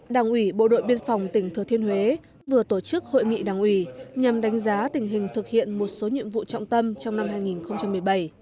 đảng ủy bộ đội biên phòng tỉnh thừa thiên huế vừa tổ chức hội nghị đảng ủy nhằm đánh giá tình hình thực hiện một số nhiệm vụ trọng tâm trong năm hai nghìn một mươi bảy